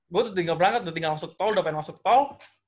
gue udah tinggal berangkat udah tinggal masuk tol udah pengen masuk tol